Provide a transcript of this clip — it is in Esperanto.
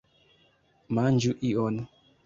Manĝu ion!